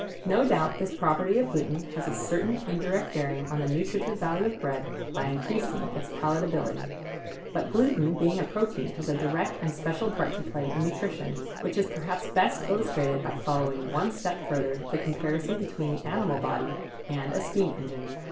No doubt this property of gluten has a certain indirect bearing on the nutritive value of bread by increasing its palatability. But gluten being a protein has a direct and special part to play in nutrition, which is perhaps best illustrated by following one step further the comparison between the animal body and a steam engine.